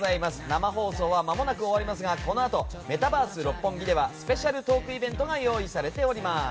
生放送はまもなく終わりますがこのあとメタバース六本木ではスペシャルトークイベントが予定されています。